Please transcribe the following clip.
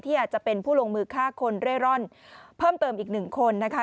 อาจจะเป็นผู้ลงมือฆ่าคนเร่ร่อนเพิ่มเติมอีกหนึ่งคนนะคะ